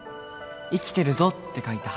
「生きてるぞ！」って書いた旗。